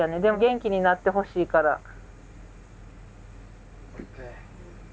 でも元気になってほしいから。